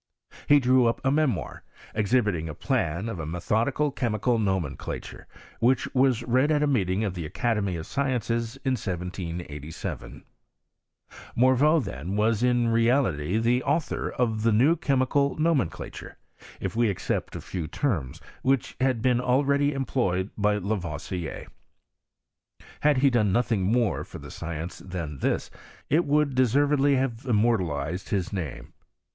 He drew up a memoir, exhibiting a plan of a methodical che mical nomenclature, which was read at a meeting of the Academy of Sciences, in 1787. Morveau, then, was in reality the author of the new chemical nomen clature, if. we except a few terms, which had been already employed by Lavoisier. Had he done nothing more^ for the science than this, it would deservedly have immortalized his name.